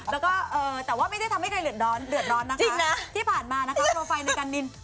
แล้วก็แต่ว่าไม่ได้ทำให้ใครเดือดร้อนเดือดร้อนนะคะที่ผ่านมานะคะโปรไฟล์ในการดิน